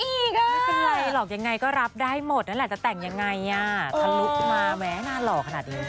ไม่เป็นไรหรอกยังไงก็รับได้หมดนั่นแหละจะแต่งยังไงอ่ะทะลุมาแม้น่าหล่อขนาดนี้